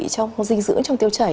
trong dinh dưỡng trong tiêu chảy